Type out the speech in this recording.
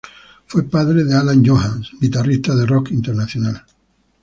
Fue padre de Alain Johannes, guitarrista de rock internacional.